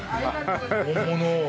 本物。